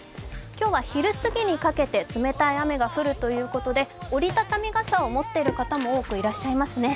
今日は昼すぎにかけて冷たい雨が降るということで折り畳み傘を持っている方も多くいらっしゃいますね。